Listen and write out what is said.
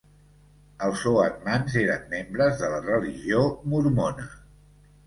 Els oatmans eren membres de la religió mormona.